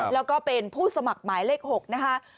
แล้วก็เป็นผู้สมัครหมายเลข๖นะคะ